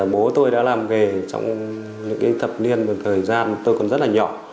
bố tôi đã làm nghề trong những thập niên và thời gian tôi còn rất là nhỏ